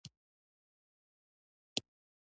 د ده دروند، سنګین او سنجیده احساس.